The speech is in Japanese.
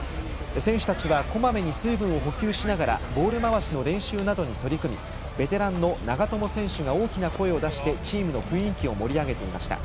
選手たちはこまめに水分を補給しながらボール回しの練習などに取り組みベテランの長友選手が大きな声を出してチームの雰囲気を盛り上げていました。